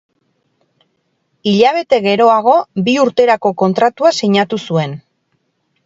Hilabete geroago, bi urterako kontratua sinatu zuen.